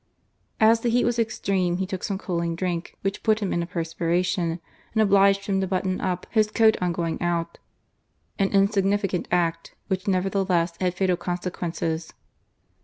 As the heat was extreme, he took some cooHng drink, which put him in a perspiration, and obHged him to button up his coat on going out— an insignificant act which nevertheless had fatal consequences.